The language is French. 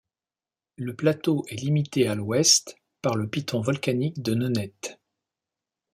Le plateau est limité à l'ouest par le piton volcanique de Nonette.